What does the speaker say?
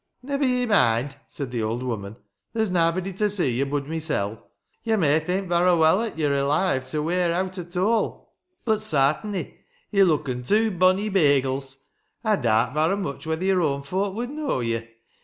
" Never ye mind," said the old woman; " there's naabody to see ye bud mysel ; ye may think varra weel 'at ye're alive to wear owt at all. But sart'ny ye looken two bonny baygles! I daat varra mich whether your awn folk would knaw ye.